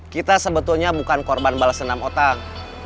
kita sebetulnya bukan korban balas dendam otang